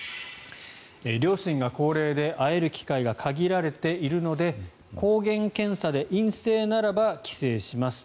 両親が高齢で会える機会が限られているので抗原検査で陰性ならば帰省します。